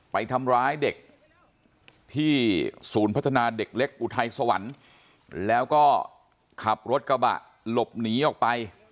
ไปทำร้ายเด็กที่ศูนย์พัฒนาเด็กเล็กอุทัยสวรรค์แล้วก็ขับรถกระบะหลบหนีออกไป